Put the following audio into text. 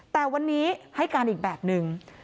แต่วันนี้ให้การอีกแบบนึง